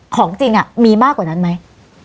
ของจริงมีมากกว่านั้นไหม